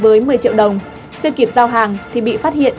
với một mươi triệu đồng chưa kịp giao hàng thì bị phát hiện